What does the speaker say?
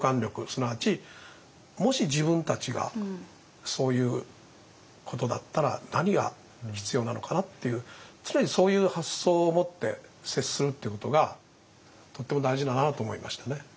すなわちもし自分たちがそういうことだったら何が必要なのかなっていう常にそういう発想を持って接するっていうことがとっても大事だなと思いましたね。